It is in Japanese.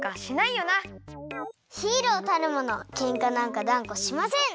ヒーローたるものケンカなんかだんこしません！